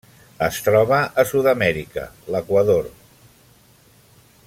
Es troba a Sud-amèrica: l'Equador.